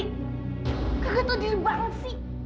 kegatuh diri banget sih